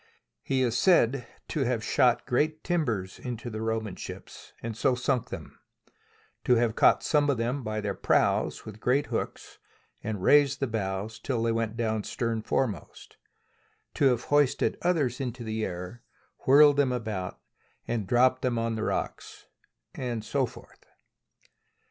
He is said to have shot great timbers into the Roman ships, and so sunk them; to have caught some of them by their prows with great hooks and raised the bows till they went down stern foremost ; to have hoisted others into the air, whirled them about, and dropped them on the rocks, and so forth.